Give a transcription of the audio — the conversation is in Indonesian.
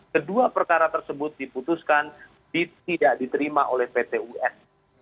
kedua perkara tersebut diputuskan tidak diterima oleh pt us